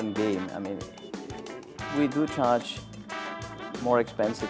maksud saya kami mengurangkan harga yang lebih mahal